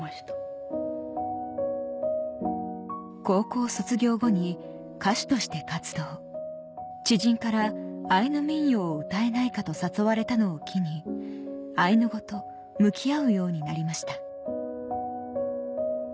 高校卒業後に歌手として活動知人からアイヌ民謡を歌えないかと誘われたのを機にアイヌ語と向き合うようになりました